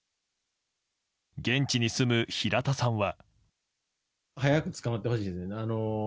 現地に住む平田さんは。